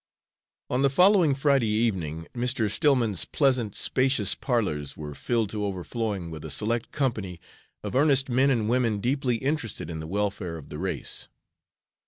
On the following Friday evening, Mr. Stillman's pleasant, spacious parlors were filled to overflowing with a select company of earnest men and women deeply interested in the welfare of the race.